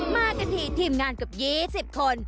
มากันทีทีมงานเกือบ๒๐คน